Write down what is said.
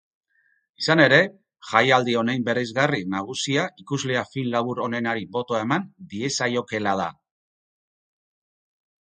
Izan ere, jaialdi honenbereizgarri nagusia ikusleak film labur onenari botoa eman diezaiokelada.